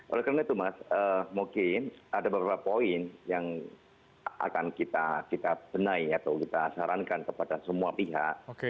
oleh karena itu mas mungkin ada beberapa poin yang akan kita benai atau kita sarankan kepada semua pihak